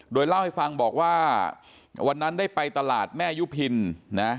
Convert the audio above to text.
โดยเล่าให้ฟังบอกว่าวันนั้นได้ไปตลาดแม่ยุพินนะ